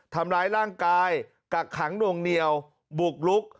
ทำร้ายร่างกายกักขังหน่วงเหนียวบุกลุก